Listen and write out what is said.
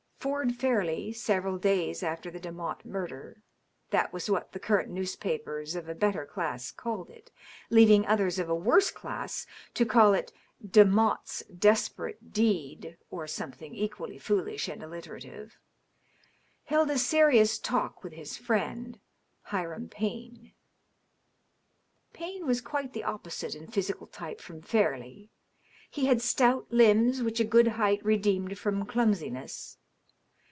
Ford Fairleigh, several days after the Demotte murder (that was what the current newspapers of a better class called it, leaving others of a worse class to call it " Demotte's Desperate Deed,'' or something equally foolish and alliterative), held a serious talk with his friend Hiram Payne. Payne was quite the opposite in physical type from Fairleigh. He had stout limbs which a good height redeemed from clumsiness.